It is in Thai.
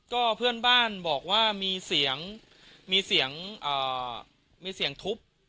ก็เพื่อนบ้านบอกว่ามีเสียงมีเสียงมีเสียงทุบ